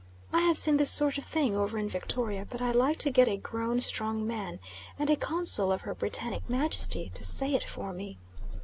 I have seen this sort of thing over in Victoria, but I like to get a grown, strong man, and a Consul of Her Britannic Majesty, to say it for me.